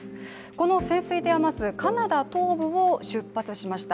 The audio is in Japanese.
この潜水艇はまず、カナダ東部を出発しました。